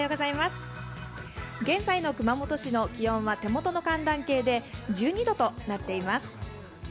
現在の熊本市の気温は、手元の寒暖計で１２度となっています。